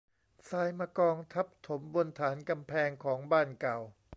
ทรายมากองทับถมบนฐานกำแพงของบ้านเก่า